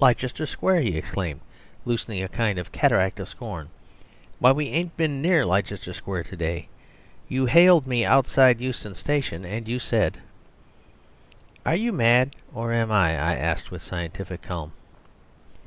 "Leicester square," he exclaimed, loosening a kind of cataract of scorn, "why we ain't been near Leicester square to day. You hailed me outside Euston Station, and you said " "Are you mad, or am I?" I asked with scientific calm.